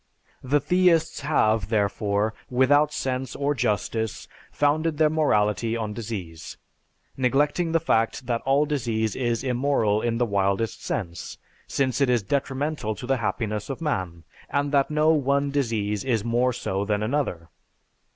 The theists have, therefore, without sense or justice, founded their morality on disease; neglecting the fact that all disease is immoral in the widest sense, since it is detrimental to the happiness of man, and that no one disease is more so than another.